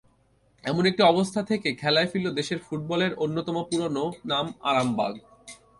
এমন একটি অবস্থা থেকে খেলায় ফিরল দেশের ফুটবলের অন্যতম পুরোনো নাম আরামবাগ।